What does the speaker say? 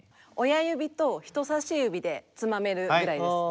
親指と人さし指でつまめるぐらいです。